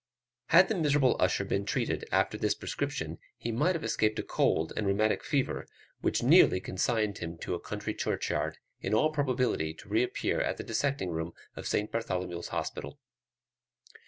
Had the miserable usher been treated after this prescription, he might have escaped a cold and rheumatic fever which had nearly consigned him to a country churchyard, in all probability to reappear at the dissecting room of St Bartholomew's Hospital.